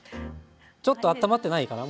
ちょっとあったまってないかな？